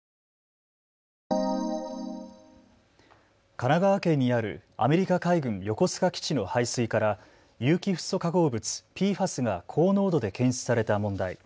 神奈川県にあるアメリカ海軍横須賀基地の排水から有機フッ素化合物、ＰＦＡＳが高濃度で検出された問題。